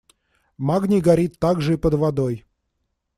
Магний горит также и под водой.